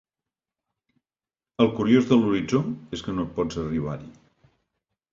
El curiós de l'horitzó és que no pots arribar-hi.